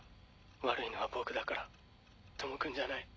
悪いのは僕だから知くんじゃない。